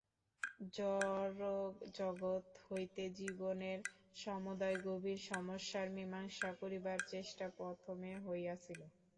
জড়জগৎ হইতেই জীবনের সমুদয় গভীর সমস্যার মীমাংসা করিবার চেষ্টা প্রথমে হইয়াছিল।